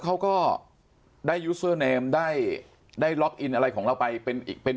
เขาก็ได้ยูเซอร์เนมได้ได้ล็อกอินอะไรของเราไปเป็นอีกเป็น